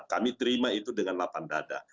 kami terima itu dengan lapan dada